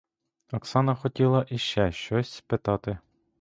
Оксана хотіла іще щось спитати.